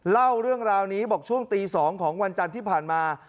เล่าเรื่องราวนี้บอกช่วงตี๒ของวันจันทร์ที่ผ่านมา